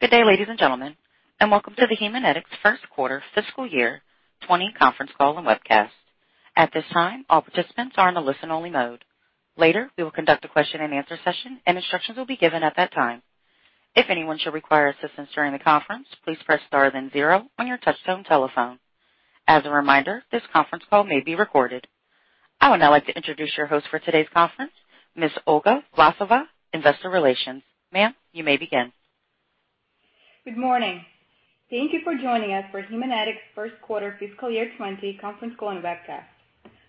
Good day, ladies and gentlemen, and welcome to the Haemonetics First Quarter Fiscal Year 2020 Conference Call and Webcast. At this time, all participants are in a listen-only mode. Later, we will conduct a question and answer session. Instructions will be given at that time. If anyone should require assistance during the conference, please press star then zero on your touch-tone telephone. As a reminder, this conference call may be recorded. I would now like to introduce your host for today's conference, Ms. Olga Vlasova, investor relations. Ma'am, you may begin. Good morning. Thank you for joining us for Haemonetics' First Quarter Fiscal Year 2020 conference call and webcast.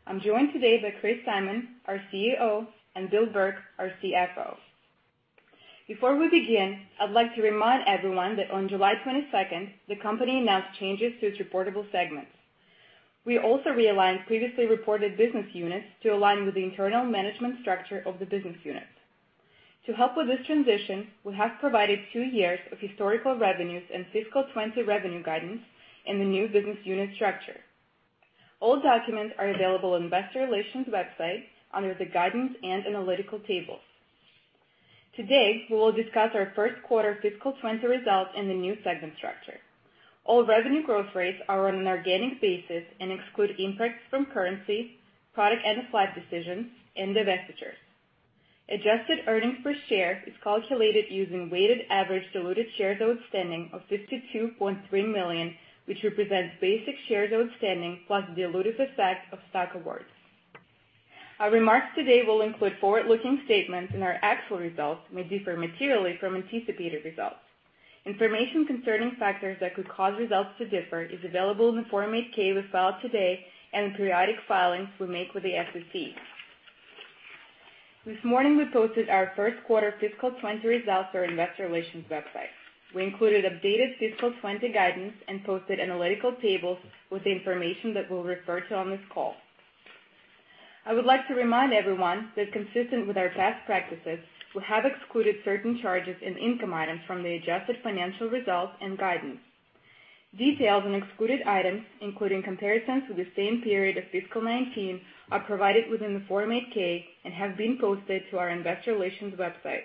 I'm joined today by Chris Simon, our CEO, and Bill Burke, our CFO. Before we begin, I'd like to remind everyone that on July 22nd, the company announced changes to its reportable segments. We also realigned previously reported business units to align with the internal management structure of the business units. To help with this transition, we have provided two years of historical revenues and fiscal 2020 revenue guidance in the new business unit structure. All documents are available on investor relations website under the guidance and analytical tables. Today, we will discuss our first quarter fiscal 2020 results in the new segment structure. All revenue growth rates are on an organic basis and exclude impacts from currency, product end-of-life decisions, and divestitures. Adjusted earnings per share is calculated using weighted average diluted shares outstanding of $52.3 million, which represents basic shares outstanding plus dilutive effect of stock awards. Our remarks today will include forward-looking statements, and our actual results may differ materially from anticipated results. Information concerning factors that could cause results to differ is available in the Form 8-K we filed today and the periodic filings we make with the SEC. This morning, we posted our first quarter fiscal 2020 results on our investor relations website. We included updated fiscal 2020 guidance and posted analytical tables with the information that we'll refer to on this call. I would like to remind everyone that consistent with our past practices, we have excluded certain charges and income items from the adjusted financial results and guidance. Details on excluded items, including comparisons with the same period of fiscal 2019, are provided within the Form 8-K and have been posted to our investor relations website.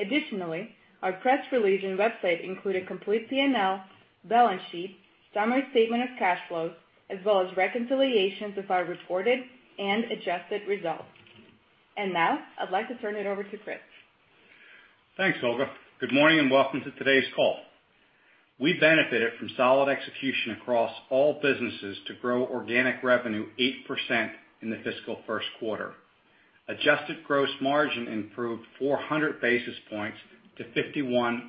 Additionally, our press release and website include a complete P&L, balance sheet, summary statement of cash flows, as well as reconciliations of our reported and adjusted results. Now, I'd like to turn it over to Chris. Thanks, Olga. Good morning, and welcome to today's call. We benefited from solid execution across all businesses to grow organic revenue 8% in the fiscal first quarter. Adjusted gross margin improved 400 basis points to 51.2%.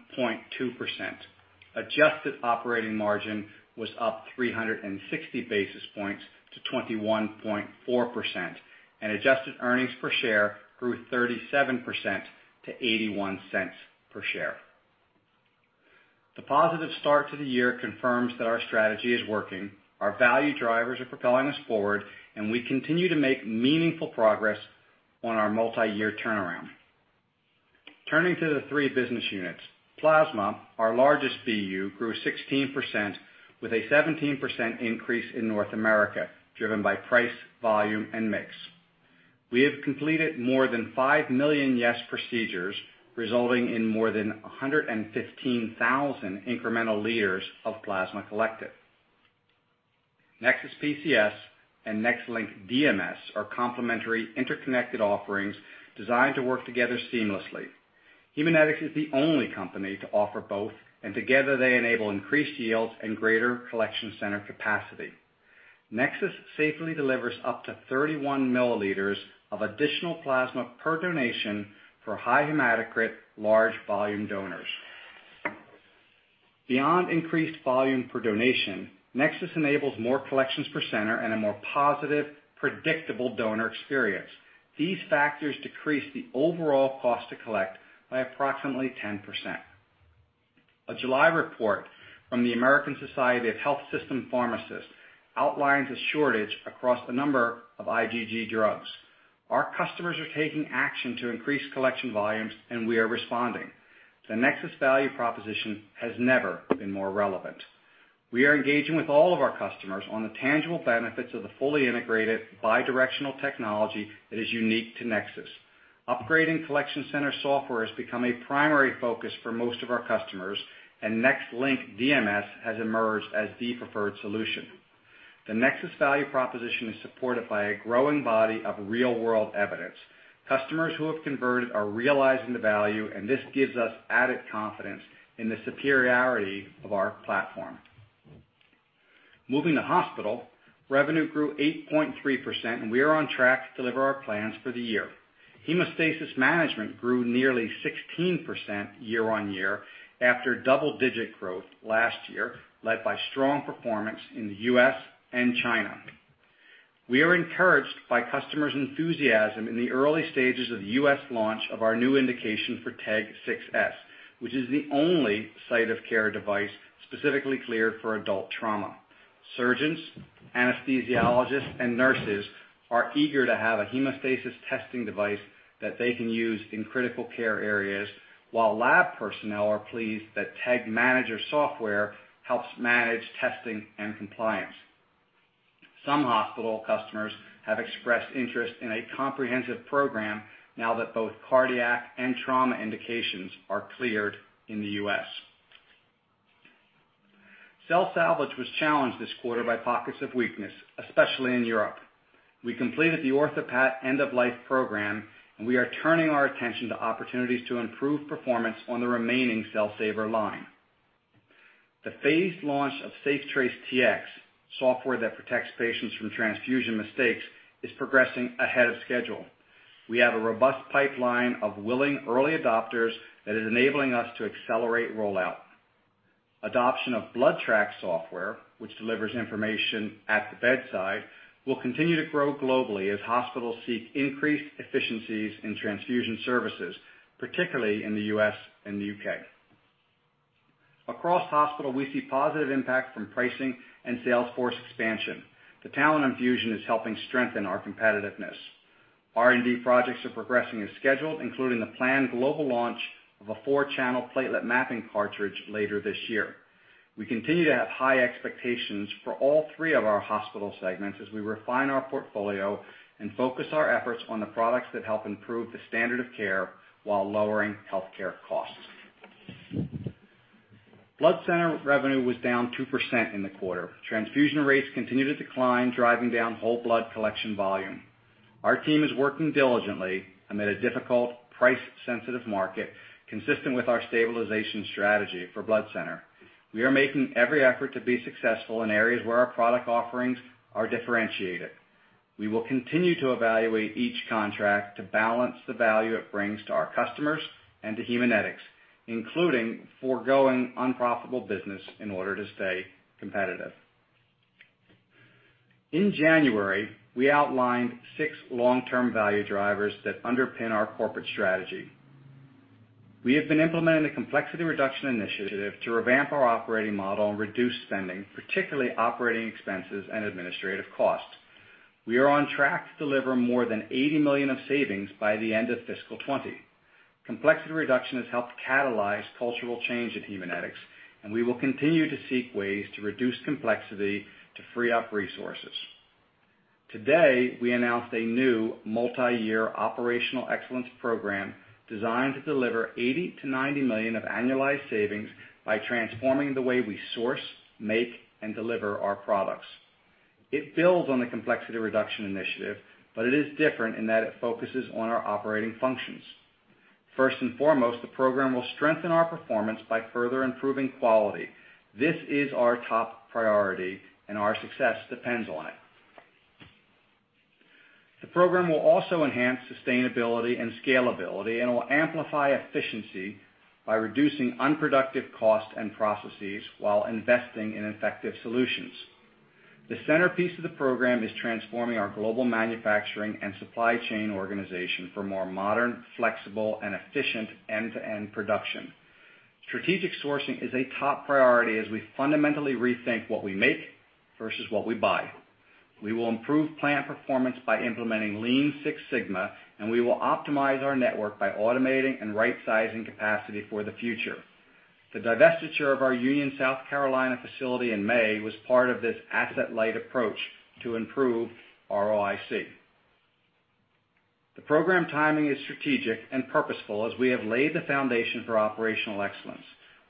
Adjusted operating margin was up 360 basis points to 21.4%, and adjusted earnings per share grew 37% to $0.81 per share. The positive start to the year confirms that our strategy is working. Our value drivers are propelling us forward, and we continue to make meaningful progress on our multi-year turnaround. Turning to the three business units, Plasma, our largest BU, grew 16% with a 17% increase in North America, driven by price, volume, and mix. We have completed more than 5 million YES procedures, resulting in more than 115,000 incremental liters of plasma collected. NexSys PCS and NexLynk DMS are complementary interconnected offerings designed to work together seamlessly. Haemonetics is the only company to offer both. Together they enable increased yields and greater collection center capacity. NexSys safely delivers up to 31 milliliters of additional plasma per donation for high hematocrit, large volume donors. Beyond increased volume per donation, NexSys enables more collections per center and a more positive, predictable donor experience. These factors decrease the overall cost to collect by approximately 10%. A July report from the American Society of Health-System Pharmacists outlines a shortage across a number of IgG drugs. Our customers are taking action to increase collection volumes. We are responding. The NexSys value proposition has never been more relevant. We are engaging with all of our customers on the tangible benefits of the fully integrated bidirectional technology that is unique to NexSys. Upgrading collection center software has become a primary focus for most of our customers, and NexLynk DMS has emerged as the preferred solution. The NexSys value proposition is supported by a growing body of real-world evidence. Customers who have converted are realizing the value, and this gives us added confidence in the superiority of our platform. Moving to Hospital, revenue grew 8.3%, and we are on track to deliver our plans for the year. Hemostasis Management grew nearly 16% year-over-year after double-digit growth last year, led by strong performance in the U.S. and China. We are encouraged by customers' enthusiasm in the early stages of the U.S. launch of our new indication for TEG 6s, which is the only site-of-care device specifically cleared for adult trauma. Surgeons, anesthesiologists, and nurses are eager to have a hemostasis testing device that they can use in critical care areas, while lab personnel are pleased that TEG Manager software helps manage testing and compliance. Some hospital customers have expressed interest in a comprehensive program now that both cardiac and trauma indications are cleared in the U.S. Cell Saver was challenged this quarter by pockets of weakness, especially in Europe. We completed the OrthoPAT end-of-life program, and we are turning our attention to opportunities to improve performance on the remaining Cell Saver line. The phased launch of SafeTrace Tx, software that protects patients from transfusion mistakes, is progressing ahead of schedule. We have a robust pipeline of willing early adopters that is enabling us to accelerate rollout. Adoption of BloodTrack software, which delivers information at the bedside, will continue to grow globally as hospitals seek increased efficiencies in transfusion services, particularly in the U.S. and the U.K. Across hospital, we see positive impact from pricing and sales force expansion. The talent infusion is helping strengthen our competitiveness. R&D projects are progressing as scheduled, including the planned global launch of a four-channel platelet mapping cartridge later this year. We continue to have high expectations for all three of our hospital segments as we refine our portfolio and focus our efforts on the products that help improve the standard of care while lowering healthcare costs. Blood Center revenue was down 2% in the quarter. Transfusion rates continue to decline, driving down whole blood collection volume. Our team is working diligently amid a difficult, price-sensitive market, consistent with our stabilization strategy for Blood Center. We are making every effort to be successful in areas where our product offerings are differentiated. We will continue to evaluate each contract to balance the value it brings to our customers and to Haemonetics, including foregoing unprofitable business in order to stay competitive. In January, we outlined six long-term value drivers that underpin our corporate strategy. We have been implementing a complexity reduction initiative to revamp our operating model and reduce spending, particularly operating expenses and administrative costs. We are on track to deliver more than $80 million of savings by the end of fiscal 2020. Complexity reduction has helped catalyze cultural change at Haemonetics, and we will continue to seek ways to reduce complexity to free up resources. Today, we announced a new multi-year operational excellence program designed to deliver $80 million-$90 million of annualized savings by transforming the way we source, make, and deliver our products. It builds on the complexity reduction initiative, but it is different in that it focuses on our operating functions. First and foremost, the program will strengthen our performance by further improving quality. This is our top priority, and our success depends on it. The program will also enhance sustainability and scalability and will amplify efficiency by reducing unproductive costs and processes while investing in effective solutions. The centerpiece of the program is transforming our global manufacturing and supply chain organization for more modern, flexible, and efficient end-to-end production. Strategic sourcing is a top priority as we fundamentally rethink what we make versus what we buy. We will improve plant performance by implementing Lean Six Sigma, and we will optimize our network by automating and rightsizing capacity for the future. The divestiture of our Union, South Carolina, facility in May was part of this asset-light approach to improve ROIC. The program timing is strategic and purposeful as we have laid the foundation for operational excellence.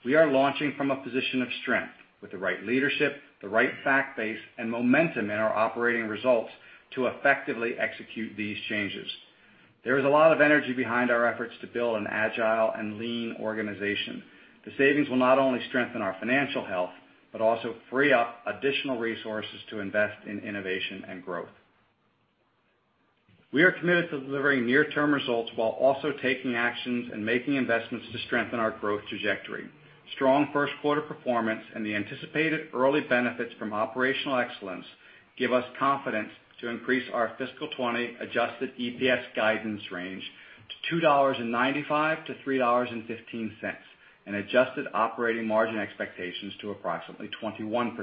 We are launching from a position of strength with the right leadership, the right fact base, and momentum in our operating results to effectively execute these changes. There is a lot of energy behind our efforts to build an agile and lean organization. The savings will not only strengthen our financial health but also free up additional resources to invest in innovation and growth. We are committed to delivering near-term results while also taking actions and making investments to strengthen our growth trajectory. Strong first quarter performance and the anticipated early benefits from operational excellence give us confidence to increase our fiscal 2020 adjusted EPS guidance range to $2.95-$3.15, and adjusted operating margin expectations to approximately 21%.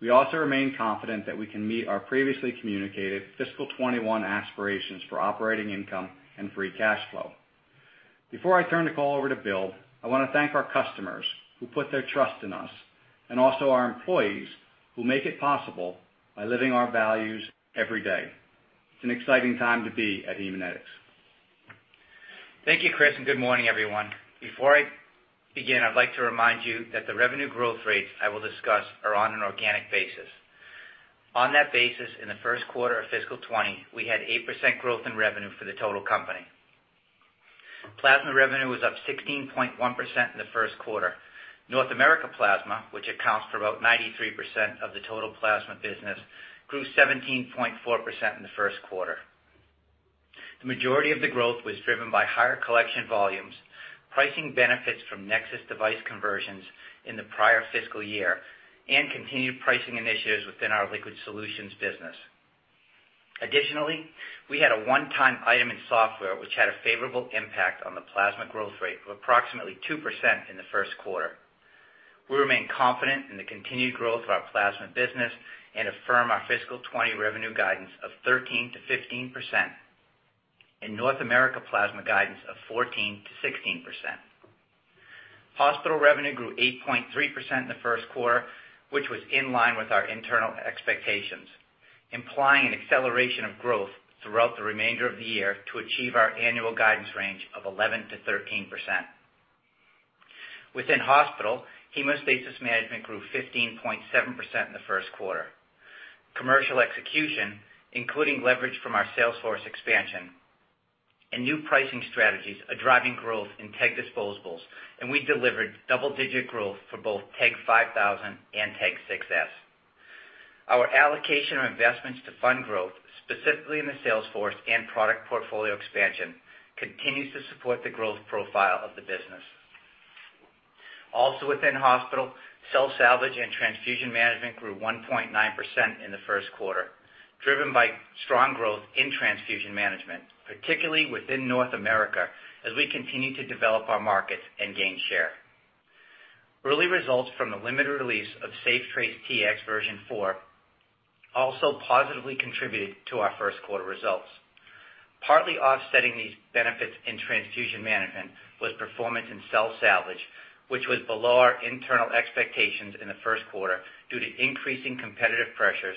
We also remain confident that we can meet our previously communicated fiscal 2021 aspirations for operating income and free cash flow. Before I turn the call over to Bill, I want to thank our customers who put their trust in us and also our employees who make it possible by living our values every day. It's an exciting time to be at Haemonetics. Thank you, Chris, and good morning, everyone. Before I begin, I'd like to remind you that the revenue growth rates I will discuss are on an organic basis. On that basis, in the first quarter of fiscal '20, we had 8% growth in revenue for the total company. Plasma revenue was up 16.1% in the first quarter. North America Plasma, which accounts for about 93% of the total plasma business, grew 17.4% in the first quarter. The majority of the growth was driven by higher collection volumes, pricing benefits from NexSys device conversions in the prior fiscal year, and continued pricing initiatives within our liquid solutions business. Additionally, we had a one-time item in software which had a favorable impact on the plasma growth rate of approximately 2% in the first quarter. We remain confident in the continued growth of our plasma business and affirm our fiscal 2020 revenue guidance of 13%-15% and North America Plasma guidance of 14%-16%. Hospital revenue grew 8.3% in the first quarter, which was in line with our internal expectations, implying an acceleration of growth throughout the remainder of the year to achieve our annual guidance range of 11%-13%. Within Hospital, hemostasis management grew 15.7% in the first quarter. Commercial execution, including leverage from our sales force expansion and new pricing strategies, are driving growth in TEG disposables, and we delivered double-digit growth for both TEG 5000 and TEG 6s. Our allocation of investments to fund growth, specifically in the sales force and product portfolio expansion, continues to support the growth profile of the business. Also within hospital, cell salvage and transfusion management grew 1.9% in the first quarter, driven by strong growth in transfusion management, particularly within North America, as we continue to develop our markets and gain share. Early results from the limited release of SafeTrace Tx version 4 also positively contributed to our first quarter results. Partly offsetting these benefits in transfusion management was performance in cell salvage, which was below our internal expectations in the first quarter due to increasing competitive pressures,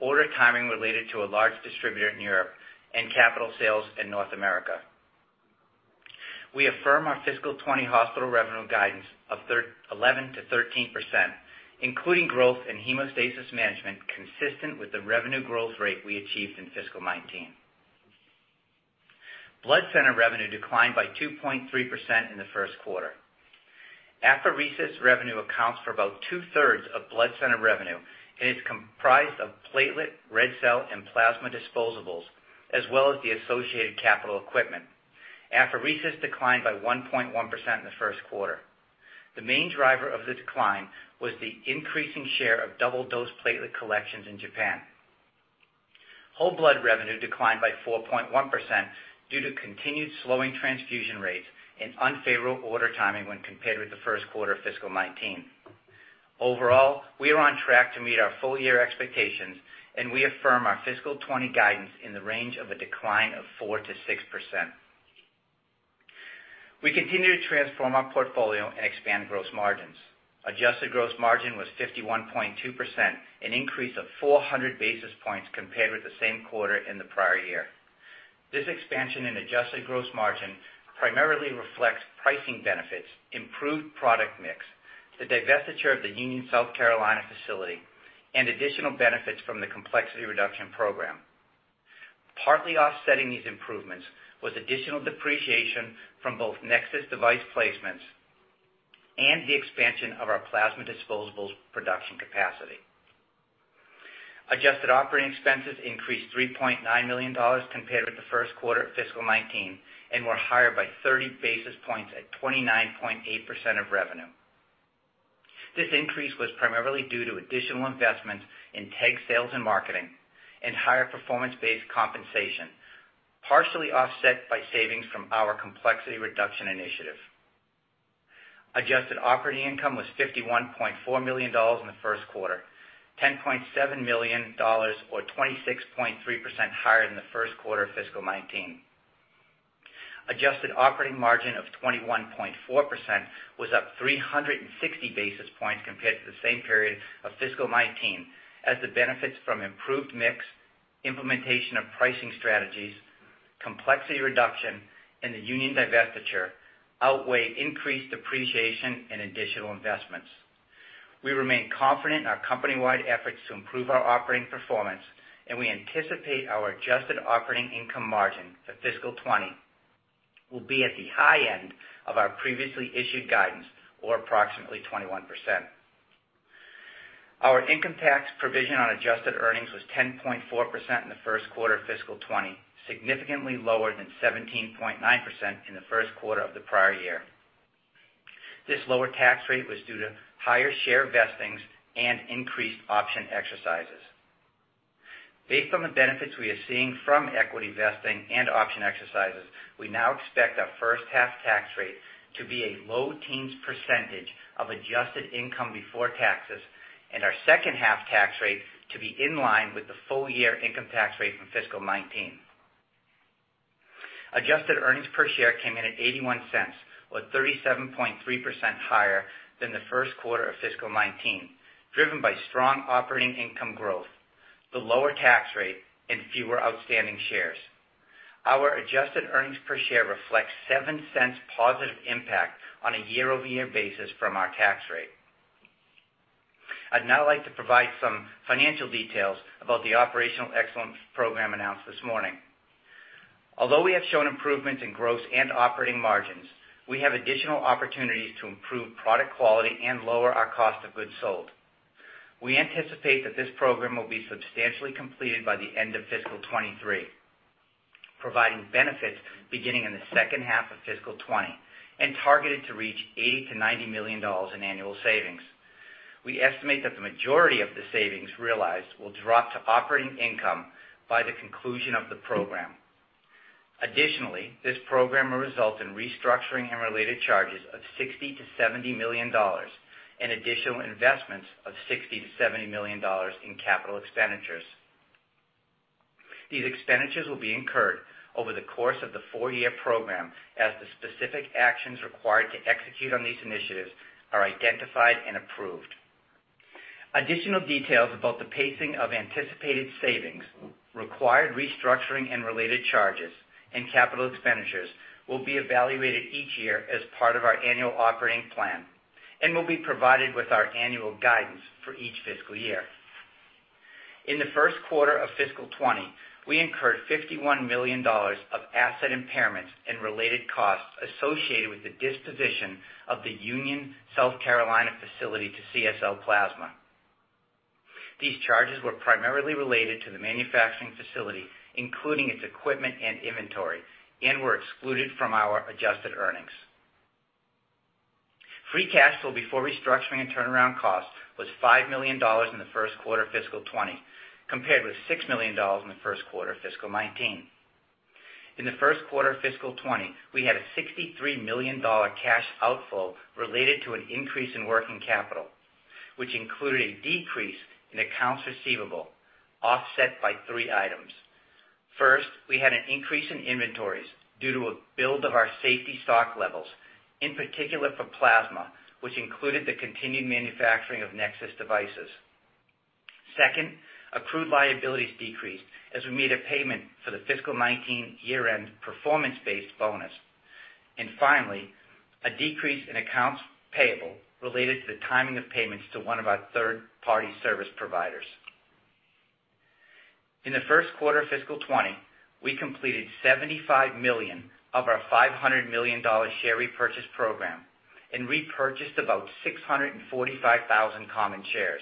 order timing related to a large distributor in Europe, and capital sales in North America. We affirm our fiscal 2020 hospital revenue guidance of 11%-13%, including growth in hemostasis management consistent with the revenue growth rate we achieved in fiscal 2019. Blood center revenue declined by 2.3% in the first quarter. Apheresis revenue accounts for about two-thirds of blood center revenue and is comprised of platelet, red cell, and plasma disposables, as well as the associated capital equipment. Apheresis declined by 1.1% in the first quarter. The main driver of the decline was the increasing share of double-dose platelet collections in Japan. Whole blood revenue declined by 4.1% due to continued slowing transfusion rates and unfavorable order timing when compared with the first quarter of fiscal 2019. Overall, we are on track to meet our full-year expectations, and we affirm our fiscal 2020 guidance in the range of a decline of 4%-6%. We continue to transform our portfolio and expand gross margins. Adjusted gross margin was 51.2%, an increase of 400 basis points compared with the same quarter in the prior year. This expansion in adjusted gross margin primarily reflects pricing benefits, improved product mix, the divestiture of the Union, South Carolina facility, and additional benefits from the Complexity Reduction Program. Partly offsetting these improvements was additional depreciation from both NexSys device placements and the expansion of our plasma disposables production capacity. Adjusted operating expenses increased $3.9 million compared with the first quarter of fiscal 2019 and were higher by 30 basis points at 29.8% of revenue. This increase was primarily due to additional investments in TEG sales and marketing and higher performance-based compensation, partially offset by savings from our Complexity Reduction Initiative. Adjusted operating income was $51.4 million in the first quarter, $10.7 million, or 26.3%, higher than the first quarter of fiscal 2019. Adjusted operating margin of 21.4% was up 360 basis points compared to the same period of fiscal 2019, as the benefits from improved mix, implementation of pricing strategies, complexity reduction, and the Union divestiture outweighed increased depreciation and additional investments. We remain confident in our company-wide efforts to improve our operating performance, and we anticipate our adjusted operating income margin for fiscal 2020 will be at the high end of our previously issued guidance, or approximately 21%. Our income tax provision on adjusted earnings was 10.4% in the first quarter of fiscal 2020, significantly lower than 17.9% in the first quarter of the prior year. This lower tax rate was due to higher share vestings and increased option exercises. Based on the benefits we are seeing from equity vesting and option exercises, we now expect our first half tax rate to be a low teens% of adjusted income before taxes and our second half tax rate to be in line with the full-year income tax rate from fiscal 2019. Adjusted earnings per share came in at $0.81, or 37.3% higher than the first quarter of fiscal 2019, driven by strong operating income growth, the lower tax rate, and fewer outstanding shares. Our adjusted earnings per share reflects $0.07 positive impact on a year-over-year basis from our tax rate. I'd now like to provide some financial details about the Operational Excellence Program announced this morning. Although we have shown improvements in gross and operating margins, we have additional opportunities to improve product quality and lower our Cost of Goods Sold. We anticipate that this program will be substantially completed by the end of fiscal 2023, providing benefits beginning in the second half of fiscal 2020, and targeted to reach $80 million-$90 million in annual savings. We estimate that the majority of the savings realized will drop to operating income by the conclusion of the program. Additionally, this program will result in restructuring and related charges of $60 million-$70 million and additional investments of $60 million-$70 million in capital expenditures. These expenditures will be incurred over the course of the four-year program as the specific actions required to execute on these initiatives are identified and approved. Additional details about the pacing of anticipated savings, required restructuring and related charges, and capital expenditures will be evaluated each year as part of our annual operating plan and will be provided with our annual guidance for each fiscal year. In the first quarter of fiscal 2020, we incurred $51 million of asset impairments and related costs associated with the disposition of the Union, South Carolina facility to CSL Plasma. These charges were primarily related to the manufacturing facility, including its equipment and inventory, and were excluded from our adjusted earnings. Free cash flow before restructuring and turnaround costs was $5 million in the first quarter of fiscal 2020, compared with $6 million in the first quarter of fiscal 2019. In the first quarter of fiscal 2020, we had a $63 million cash outflow related to an increase in working capital, which included a decrease in accounts receivable, offset by three items. First, we had an increase in inventories due to a build of our safety stock levels, in particular for plasma, which included the continued manufacturing of NexSys devices. Second, accrued liabilities decreased as we made a payment for the fiscal 2019 year-end performance-based bonus. Finally, a decrease in accounts payable related to the timing of payments to one of our third-party service providers. In the first quarter of fiscal 2020, we completed $75 million of our $500 million share repurchase program and repurchased about 645,000 common shares.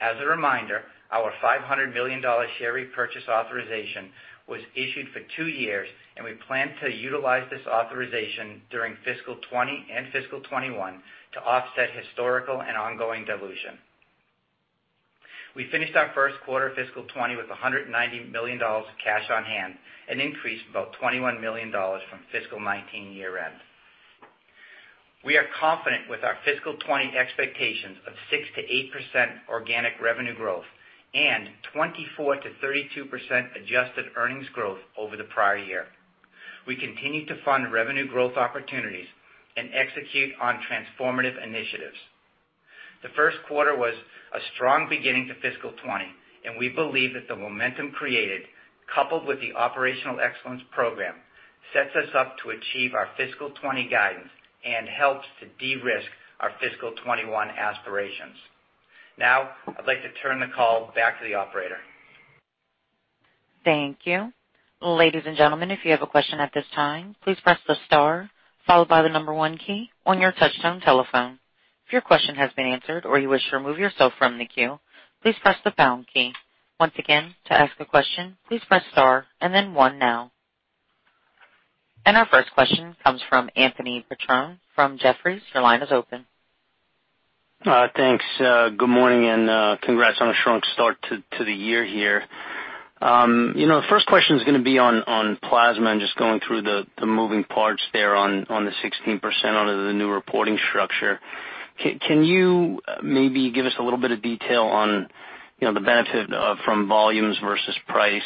As a reminder, our $500 million share repurchase authorization was issued for two years, and we plan to utilize this authorization during fiscal 2020 and fiscal 2021 to offset historical and ongoing dilution. We finished our first quarter fiscal 2020 with $190 million of cash on hand, an increase of about $21 million from fiscal 2019 year-end. We are confident with our fiscal 2020 expectations of 6%-8% organic revenue growth and 24%-32% adjusted earnings growth over the prior year. We continue to fund revenue growth opportunities and execute on transformative initiatives. The first quarter was a strong beginning to fiscal 2020, and we believe that the momentum created, coupled with the operational excellence program, sets us up to achieve our fiscal 2020 guidance and helps to de-risk our fiscal 2021 aspirations. I'd like to turn the call back to the operator. Thank you. Ladies and gentlemen, if you have a question at this time, please press the star followed by the 1 key on your touch-tone telephone. If your question has been answered or you wish to remove yourself from the queue, please press the pound key. Once again, to ask a question, please press star and then 1 now. Our first question comes from Anthony Petrone from Jefferies. Your line is open. Thanks. Good morning, congrats on a strong start to the year here. First question's going to be on plasma and just going through the moving parts there on the 16% out of the new reporting structure. Can you maybe give us a little bit of detail on the benefit from volumes versus price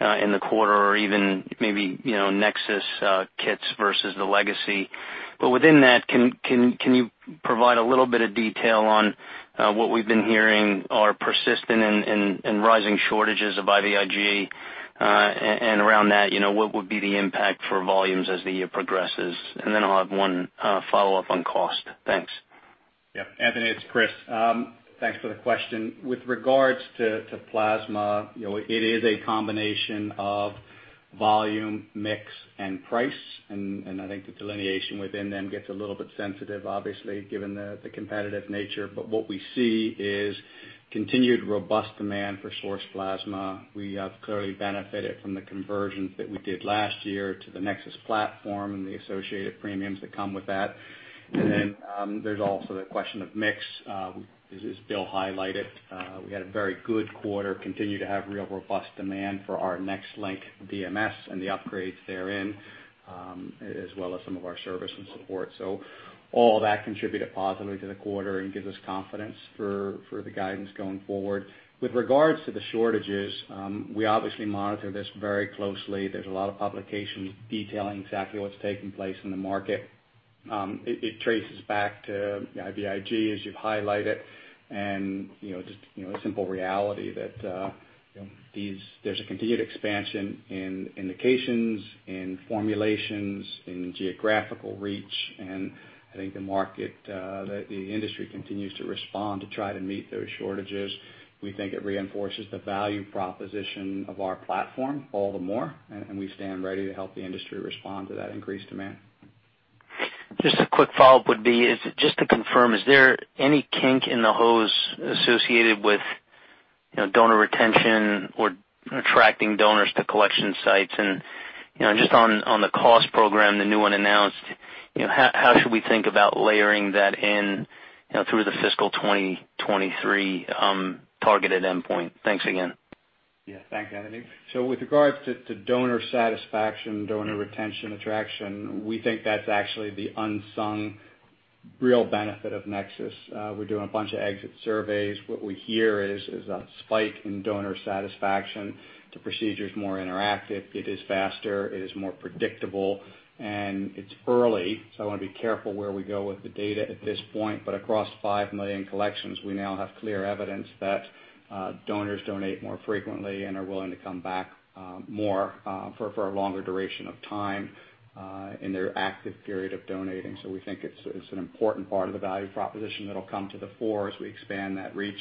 in the quarter or even maybe NexSys kits versus the legacy? Within that, can you provide a little bit of detail on what we've been hearing are persistent and rising shortages of IVIG, and around that, what would be the impact for volumes as the year progresses? I'll have one follow-up on cost. Thanks. Yep, Anthony, it's Chris. Thanks for the question. With regards to plasma, it is a combination of volume, mix, and price. I think the delineation within them gets a little bit sensitive, obviously, given the competitive nature. What we see is continued robust demand for source plasma. We have clearly benefited from the conversions that we did last year to the NexSys platform and the associated premiums that come with that. There's also the question of mix. As Bill highlighted, we had a very good quarter, continue to have real robust demand for our NexLynk DMS and the upgrades therein, as well as some of our service and support. All that contributed positively to the quarter and gives us confidence for the guidance going forward. With regards to the shortages, we obviously monitor this very closely. There's a lot of publications detailing exactly what's taking place in the market. It traces back to IVIG, as you've highlighted, and just a simple reality that there's a continued expansion in indications, in formulations, in geographical reach, and I think the industry continues to respond to try to meet those shortages. We think it reinforces the value proposition of our platform all the more, and we stand ready to help the industry respond to that increased demand. Just a quick follow-up would be, just to confirm, is there any kink in the hose associated with donor retention or attracting donors to collection sites? On the cost program, the new one announced, how should we think about layering that in through the fiscal 2023 targeted endpoint? Thanks again. Yeah. Thanks, Anthony. With regards to donor satisfaction, donor retention, attraction, we think that's actually the unsung Real benefit of NexSys. We're doing a bunch of exit surveys. What we hear is a spike in donor satisfaction. The procedure's more interactive, it is faster, it is more predictable, and it's early, so I want to be careful where we go with the data at this point. Across 5 million collections, we now have clear evidence that donors donate more frequently and are willing to come back more for a longer duration of time in their active period of donating. We think it's an important part of the value proposition that'll come to the fore as we expand that reach.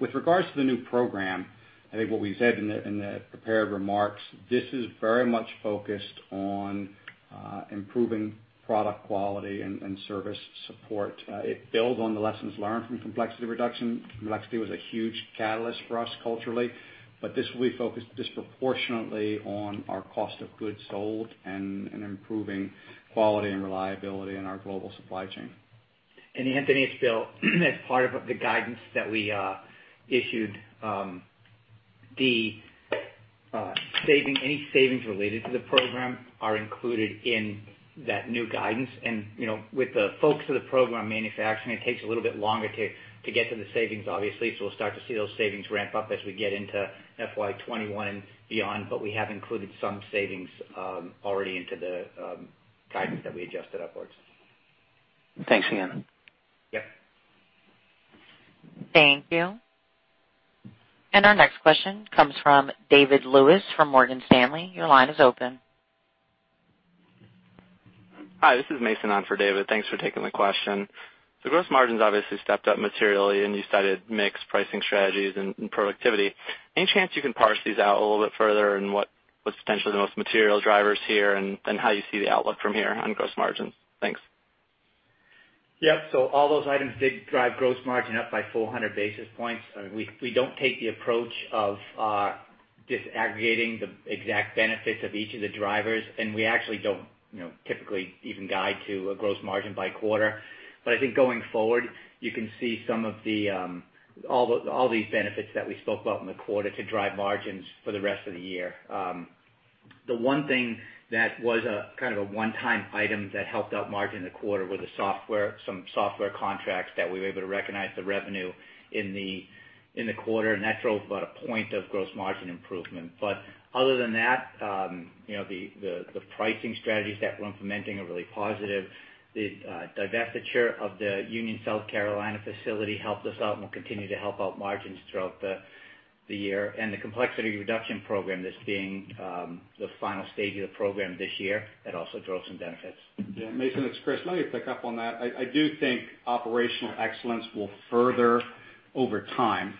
With regards to the new program, I think what we said in the prepared remarks, this is very much focused on improving product quality and service support. It builds on the lessons learned from complexity reduction. Complexity was a huge catalyst for us culturally, but this will be focused disproportionately on our cost of goods sold and improving quality and reliability in our global supply chain. Anthony, it's Bill. As part of the guidance that we issued, any savings related to the program are included in that new guidance. With the focus of the program manufacturing, it takes a little bit longer to get to the savings, obviously. We'll start to see those savings ramp up as we get into FY 2021 and beyond. We have included some savings already into the guidance that we adjusted upwards. Thanks again. Yep. Thank you. Our next question comes from David Lewis from Morgan Stanley. Your line is open. Hi, this is Mason on for David. Thanks for taking the question. The gross margins obviously stepped up materially, and you cited mix pricing strategies and productivity. Any chance you can parse these out a little bit further and what's potentially the most material drivers here, and how you see the outlook from here on gross margins? Thanks. Yep. All those items did drive gross margin up by 400 basis points. We don't take the approach of disaggregating the exact benefits of each of the drivers, and we actually don't typically even guide to a gross margin by quarter. I think going forward, you can see all these benefits that we spoke about in the quarter to drive margins for the rest of the year. The one thing that was a one-time item that helped out margin in the quarter were some software contracts that we were able to recognize the revenue in the quarter. That drove about a point of gross margin improvement. Other than that, the pricing strategies that we're implementing are really positive. The divestiture of the Union, South Carolina facility helped us out and will continue to help out margins throughout the year. The complexity reduction program that's being the final stage of the program this year, that also drove some benefits. Yeah, Mason, it's Chris. Let me pick up on that. I do think operational excellence will further over time,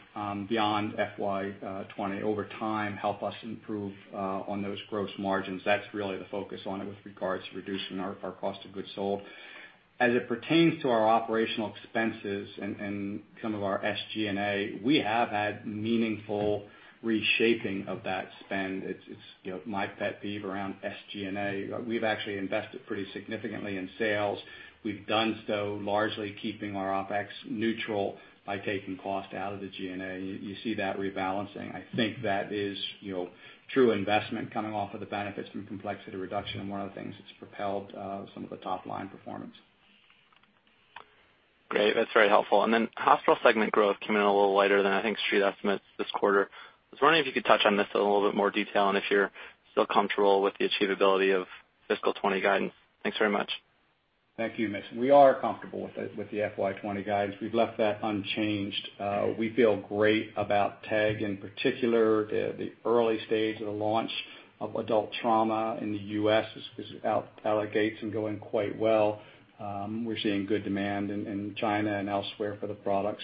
beyond FY 2020, over time, help us improve on those gross margins. That's really the focus on it with regards to reducing our cost of goods sold. As it pertains to our operational expenses and some of our SG&A, we have had meaningful reshaping of that spend. It's my pet peeve around SG&A. We've actually invested pretty significantly in sales. We've done so largely keeping our OpEx neutral by taking cost out of the G&A. You see that rebalancing. I think that is true investment coming off of the benefits from complexity reduction and one of the things that's propelled some of the top-line performance. Great. That's very helpful. Hospital segment growth came in a little lighter than I think street estimates this quarter. I was wondering if you could touch on this in a little bit more detail and if you're still comfortable with the achievability of fiscal 2020 guidance. Thanks very much. Thank you, Mason. We are comfortable with the FY 2020 guidance. We've left that unchanged. We feel great about TEG, in particular, the early stage of the launch of adult trauma in the U.S. is out the gates and going quite well. We're seeing good demand in China and elsewhere for the product.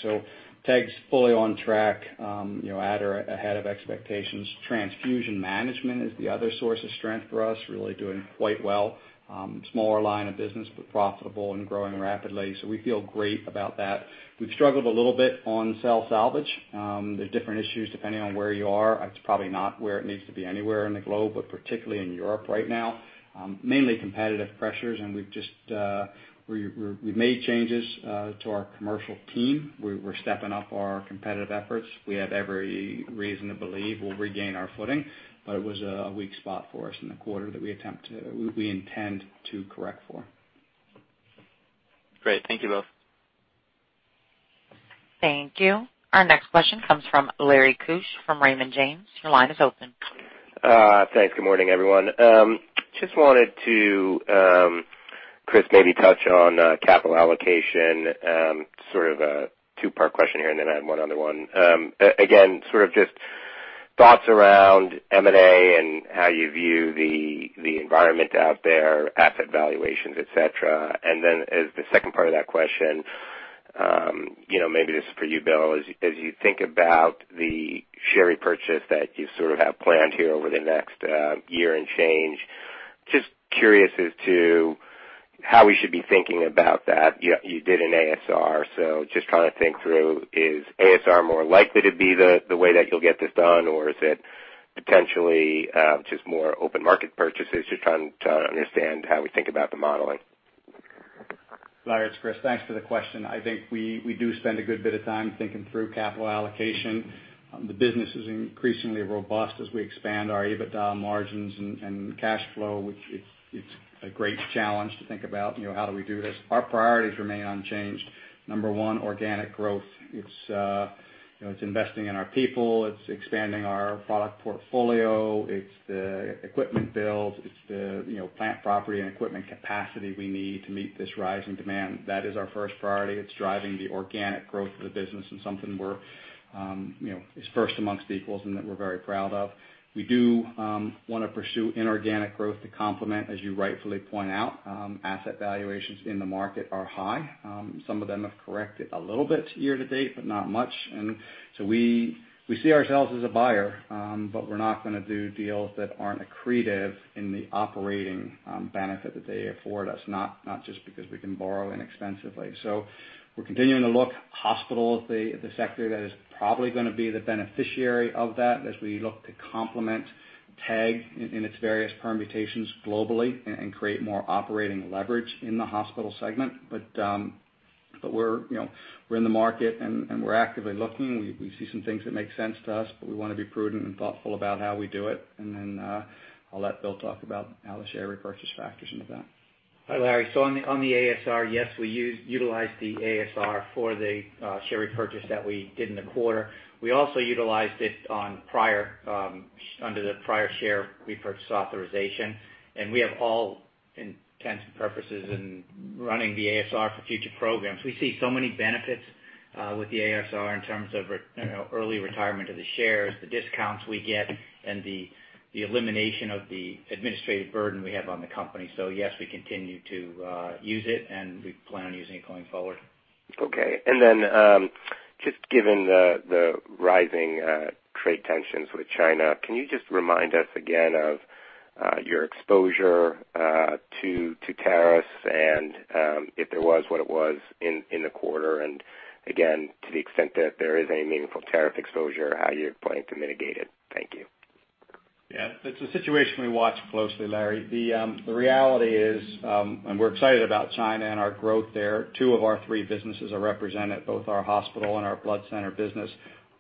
TEG's fully on track at or ahead of expectations. Transfusion management is the other source of strength for us, really doing quite well. Smaller line of business, but profitable and growing rapidly. We feel great about that. We've struggled a little bit on cell salvage. There's different issues depending on where you are. It's probably not where it needs to be anywhere in the globe, but particularly in Europe right now. Mainly competitive pressures, and we've made changes to our commercial team. We're stepping up our competitive efforts. We have every reason to believe we'll regain our footing. It was a weak spot for us in the quarter that we intend to correct for. Great. Thank you both. Thank you. Our next question comes from Larry Cuch from Raymond James. Your line is open. Thanks. Good morning, everyone. Just wanted to, Chris, maybe touch on capital allocation, sort of a two-part question here, and then I have one other one. Sort of just thoughts around M&A and how you view the environment out there, asset valuations, et cetera. As the second part of that question, maybe this is for you, Bill, as you think about the share repurchase that you sort of have planned here over the next year and change, just curious as to how we should be thinking about that. You did an ASR, just trying to think through, is ASR more likely to be the way that you'll get this done, or is it potentially just more open market purchases? Just trying to understand how we think about the modeling. Larry, it's Chris. Thanks for the question. I think we do spend a good bit of time thinking through capital allocation. The business is increasingly robust as we expand our EBITDA margins and cash flow, which it's a great challenge to think about, how do we do this? Our priorities remain unchanged. Number one, organic growth. It's investing in our people. It's expanding our product portfolio. It's the equipment build. It's the plant, property, and equipment capacity we need to meet this rise in demand. That is our first priority. It's driving the organic growth of the business and something that's first amongst equals and that we're very proud of. We do want to pursue inorganic growth to complement, as you rightfully point out. Asset valuations in the market are high. Some of them have corrected a little bit year to date, but not much. We see ourselves as a buyer, but we're not going to do deals that aren't accretive in the operating benefit that they afford us, not just because we can borrow inexpensively. We're continuing to look. Hospital is the sector that is probably going to be the beneficiary of that as we look to complement TEG in its various permutations globally and create more operating leverage in the hospital segment. We're in the market, and we're actively looking. We see some things that make sense to us, but we want to be prudent and thoughtful about how we do it. Then, I'll let Bill talk about how the share repurchase factors into that. Hi, Larry. On the ASR, yes, we utilized the ASR for the share repurchase that we did in the quarter. We also utilized it under the prior share repurchase authorization, and we have all intents and purposes in running the ASR for future programs. We see so many benefits with the ASR in terms of early retirement of the shares, the discounts we get, and the elimination of the administrative burden we have on the company. Yes, we continue to use it, and we plan on using it going forward. Okay. Just given the rising trade tensions with China, can you just remind us again of your exposure to tariffs and if there was, what it was in the quarter? Again, to the extent that there is any meaningful tariff exposure, how you plan to mitigate it? Thank you. Yeah. It's a situation we watch closely, Larry. The reality is, we're excited about China and our growth there, two of our three businesses are represented, both our hospital and our blood center business.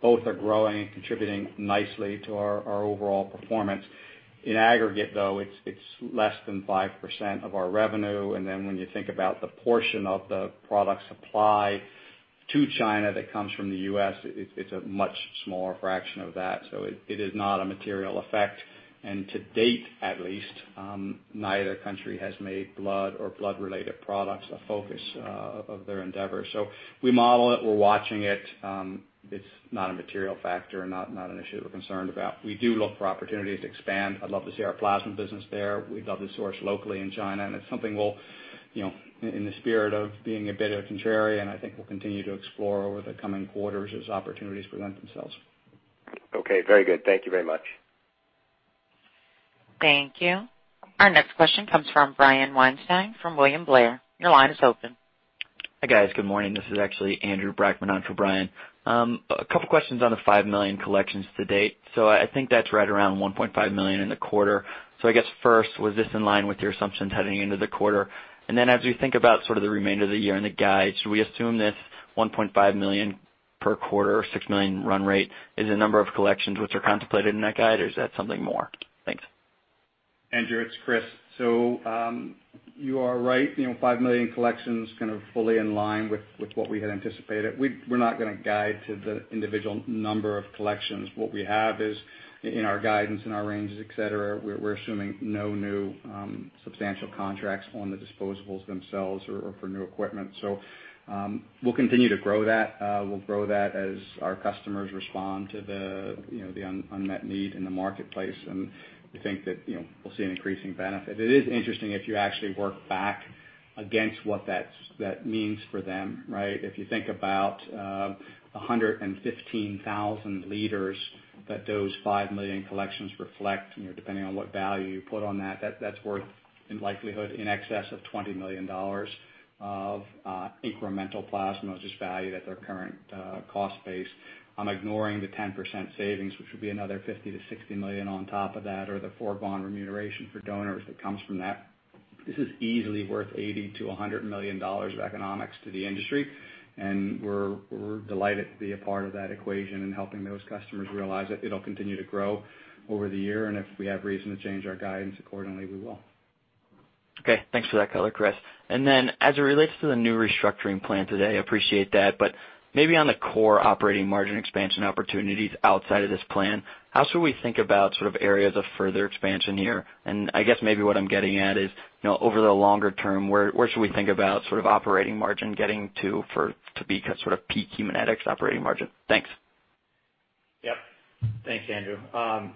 Both are growing and contributing nicely to our overall performance. In aggregate, though, it's less than 5% of our revenue, when you think about the portion of the product supply to China that comes from the U.S., it's a much smaller fraction of that. It is not a material effect. To date, at least, neither country has made blood or blood-related products a focus of their endeavor. We model it. We're watching it. It's not a material factor, not an issue we're concerned about. We do look for opportunities to expand. I'd love to see our plasma business there. We'd love to source locally in China, and it's something, in the spirit of being a bit of a contrarian, I think we'll continue to explore over the coming quarters as opportunities present themselves. Okay. Very good. Thank you very much. Thank you. Our next question comes from Brian Weinstein from William Blair. Your line is open. Hi, guys. Good morning. This is actually Andrew Brackmann on for Brian. A couple questions on the 5 million collections to date. I think that's right around 1.5 million in the quarter. I guess first, was this in line with your assumptions heading into the quarter? As we think about sort of the remainder of the year and the guide, should we assume this 1.5 million per quarter or 6 million run rate is the number of collections which are contemplated in that guide, or is that something more? Thanks. Andrew, it's Chris. You are right, 5 million collections, kind of fully in line with what we had anticipated. We're not going to guide to the individual number of collections. What we have is in our guidance, in our ranges, et cetera, we're assuming no new substantial contracts on the disposables themselves or for new equipment. We'll continue to grow that. We'll grow that as our customers respond to the unmet need in the marketplace, and we think that we'll see an increasing benefit. It is interesting if you actually work back against what that means for them, right? If you think about 115,000 liters that those 5 million collections reflect, depending on what value you put on that's worth in likelihood in excess of $20 million of incremental plasma, just valued at their current cost base. I'm ignoring the 10% savings, which would be another $50 million-$60 million on top of that or the foregone remuneration for donors that comes from that. This is easily worth $80 million-$100 million of economics to the industry, and we're delighted to be a part of that equation and helping those customers realize it. It'll continue to grow over the year, and if we have reason to change our guidance accordingly, we will. Okay. Thanks for that color, Chris. As it relates to the new restructuring plan today, appreciate that, but maybe on the core operating margin expansion opportunities outside of this plan, how should we think about sort of areas of further expansion here? I guess maybe what I'm getting at is, over the longer term, where should we think about sort of operating margin getting to be sort of peak Haemonetics operating margin? Thanks. Thanks, Andrew. On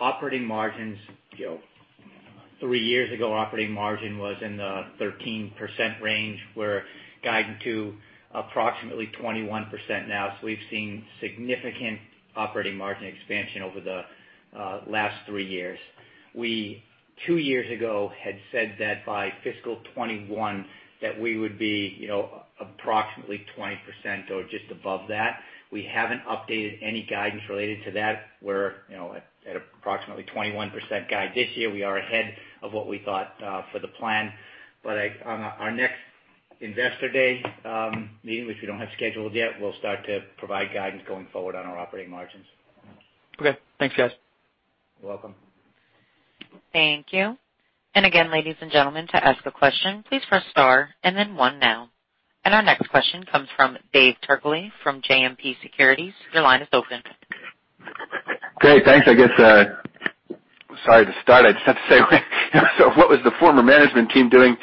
operating margins, three years ago, operating margin was in the 13% range. We're guiding to approximately 21% now. We've seen significant operating margin expansion over the last three years. We, two years ago, had said that by fiscal 2021, that we would be approximately 20% or just above that. We haven't updated any guidance related to that. We're at approximately 21% guide this year. We are ahead of what we thought for the plan. On our next Investor Day meeting, which we don't have scheduled yet, we'll start to provide guidance going forward on our operating margins. Okay. Thanks, guys. You're welcome. Thank you. Again, ladies and gentlemen, to ask a question, please press star and then one now. Our next question comes from Dave Turkaly from JMP Securities. Your line is open. Great. Thanks. Sorry to start, I just have to say, what was the former management team doing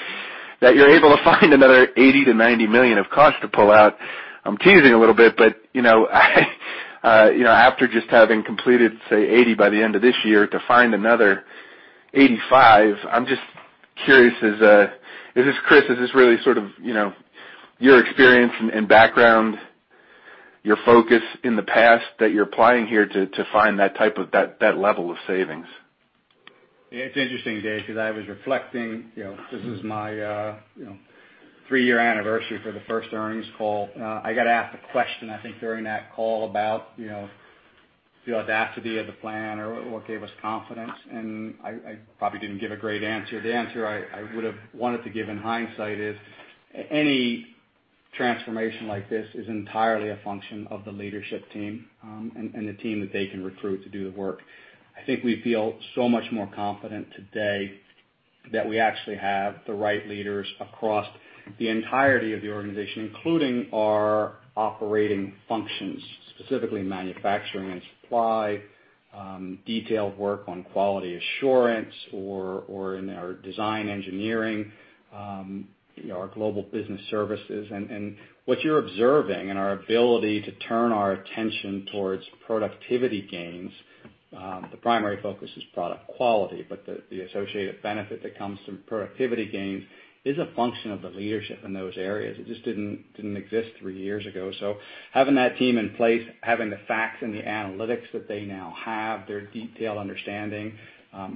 that you're able to find another $80 million-$90 million of cost to pull out? I'm teasing a little bit. After just having completed, say, $80 million by the end of this year, to find another $85 million, I'm just curious. Chris, is this really sort of your experience and background, your focus in the past that you're applying here to find that level of savings? It's interesting, Dave, because I was reflecting, this is my three-year anniversary for the first earnings call. I got asked the question, I think, during that call about the audacity of the plan or what gave us confidence, and I probably didn't give a great answer. The answer I would have wanted to give in hindsight is, any transformation like this is entirely a function of the leadership team, and the team that they can recruit to do the work. I think we feel so much more confident today that we actually have the right leaders across the entirety of the organization, including our operating functions, specifically manufacturing and supply, detailed work on quality assurance or in our design engineering, our global business services. What you're observing in our ability to turn our attention towards productivity gains, the primary focus is product quality, but the associated benefit that comes from productivity gains is a function of the leadership in those areas. It just didn't exist three years ago. Having that team in place, having the facts and the analytics that they now have, their detailed understanding,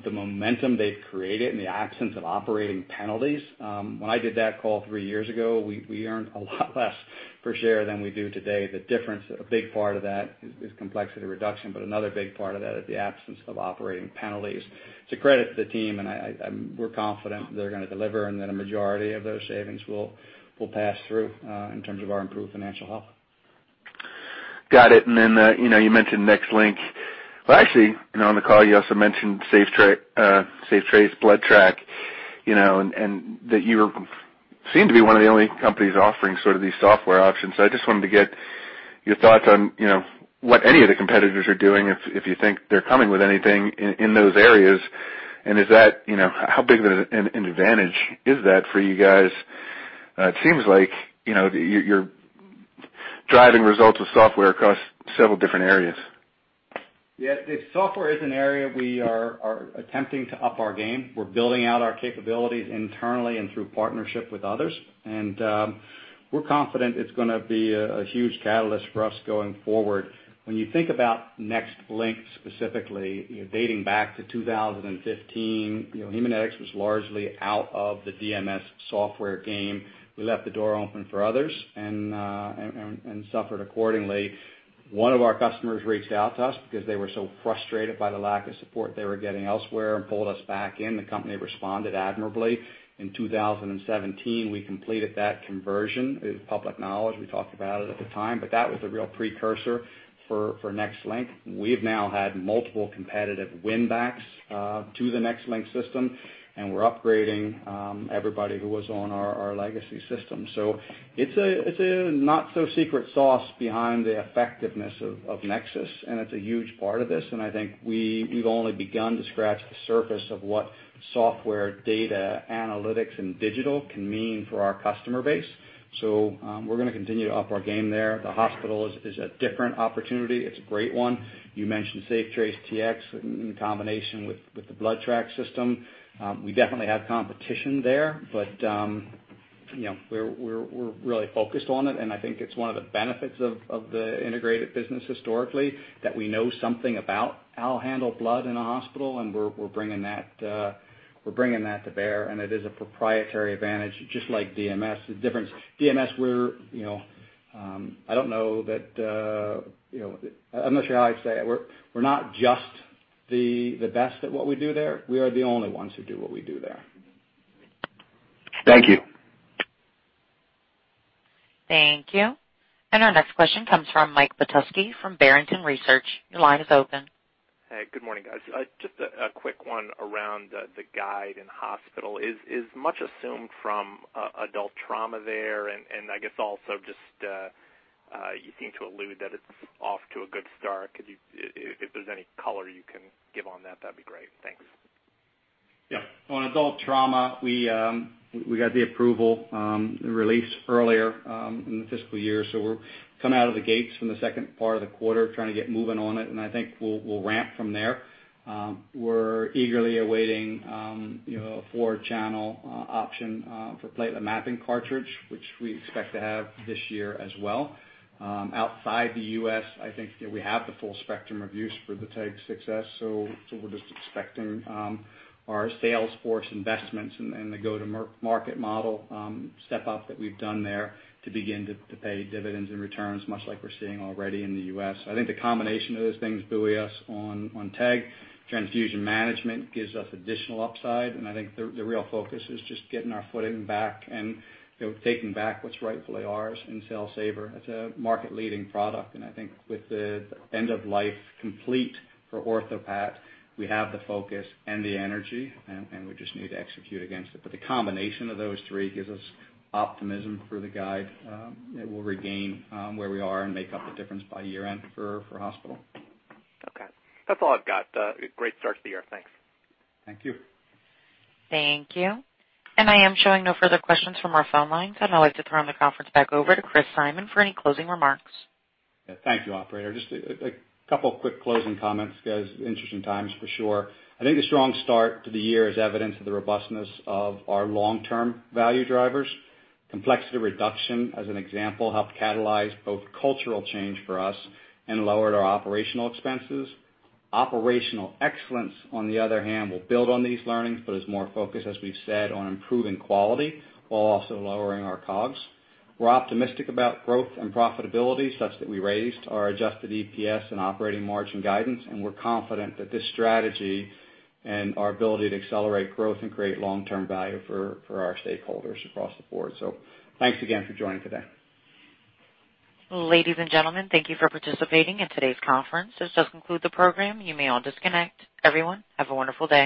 the momentum they've created and the absence of operating penalties. When I did that call three years ago, we earned a lot less per share than we do today. The difference, a big part of that, is complexity reduction, but another big part of that is the absence of operating penalties. It's a credit to the team, and we're confident they're going to deliver and that a majority of those savings will pass through, in terms of our improved financial health. Got it. You mentioned NexLynk. Actually, on the call you also mentioned SafeTrace, BloodTrack, and that you seem to be one of the only companies offering these software options. I just wanted to get your thoughts on what any of the competitors are doing if you think they're coming with anything in those areas. How big of an advantage is that for you guys? It seems like you're driving results with software across several different areas. Yeah. Software is an area we are attempting to up our game. We're building out our capabilities internally and through partnership with others. We're confident it's going to be a huge catalyst for us going forward. When you think about NexLynk specifically, dating back to 2015, Haemonetics was largely out of the DMS software game. We left the door open for others and suffered accordingly. One of our customers reached out to us because they were so frustrated by the lack of support they were getting elsewhere and pulled us back in. The company responded admirably. In 2017, we completed that conversion. It was public knowledge. We talked about it at the time, but that was a real precursor for NexLynk. We have now had multiple competitive win backs to the NexLynk system, and we're upgrading everybody who was on our legacy system. It's a not-so-secret sauce behind the effectiveness of NexSys, and it's a huge part of this. I think we've only begun to scratch the surface of what software data analytics and digital can mean for our customer base. We're going to continue to up our game there. The hospital is a different opportunity. It's a great one. You mentioned SafeTrace Tx in combination with the BloodTrack system. We definitely have competition there, but we're really focused on it, and I think it's one of the benefits of the integrated business historically, that we know something about how to handle blood in a hospital, and we're bringing that to bear, and it is a proprietary advantage, just like DMS. I'm not sure how I'd say it. We're not just the best at what we do there, we are the only ones who do what we do there. Thank you. Thank you. Our next question comes from Mike Petusky from Barrington Research. Your line is open. Hey, good morning, guys. Just a quick one around the guide in hospital. Is much assumed from adult trauma there, and I guess also just, you seem to allude that it's off to a good start. If there's any color you can give on that'd be great. Thanks. On adult trauma, we got the approval, the release earlier in the fiscal year, so we're coming out of the gates from the second part of the quarter trying to get moving on it, and I think we'll ramp from there. We're eagerly awaiting a four-channel option for platelet mapping cartridge, which we expect to have this year as well. Outside the U.S., I think we have the full spectrum of use for the TEG 6s, so we're just expecting our sales force investments and the go-to-market model step up that we've done there to begin to pay dividends and returns, much like we're seeing already in the U.S. I think the combination of those things buoy us on TEG. Transfusion management gives us additional upside, and I think the real focus is just getting our footing back and taking back what's rightfully ours in Cell Saver. It's a market-leading product. I think with the end of life complete for OrthoPAT, we have the focus and the energy, and we just need to execute against it. The combination of those three gives us optimism for the guide that we'll regain where we are and make up the difference by year-end for hospital. Okay. That's all I've got. Great start to the year. Thanks. Thank you. Thank you. I am showing no further questions from our phone lines. I'd like to turn the conference back over to Christopher Simon for any closing remarks. Yeah. Thank you, operator. Just a couple of quick closing comments, guys. Interesting times, for sure. I think a strong start to the year is evidence of the robustness of our long-term value drivers. Complexity reduction, as an example, helped catalyze both cultural change for us and lowered our operational expenses. Operational excellence, on the other hand, will build on these learnings but is more focused, as we've said, on improving quality while also lowering our COGS. We're optimistic about growth and profitability such that we raised our adjusted EPS and operating margin guidance, and we're confident that this strategy and our ability to accelerate growth and create long-term value for our stakeholders across the board. Thanks again for joining today. Ladies and gentlemen, thank you for participating in today's conference. This does conclude the program. You may all disconnect. Everyone, have a wonderful day.